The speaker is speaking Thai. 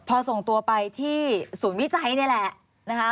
พอส่งไปที่ศูนย์วิจัยเนี่ยแหละ